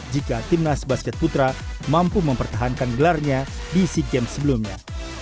jika timnas basket putra mampu mempertahankan gelarnya di sea games sebelumnya